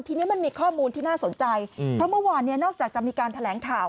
ทีนี้มันมีข้อมูลที่น่าสนใจเพราะเมื่อวานเนี่ยนอกจากจะมีการแถลงข่าว